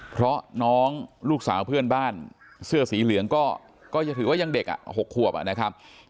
เพราะน้องลูกสาวเพื่อนบ้านเสื้อสีเหลืองก็จะถือว่ายังเด็ก๖ขวบนะครับ